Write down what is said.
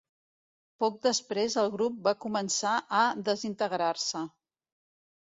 Poc després el grup va començar a desintegrar-se.